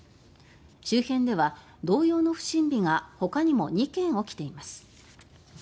周辺では同様の不審火がほかにも２件起きています。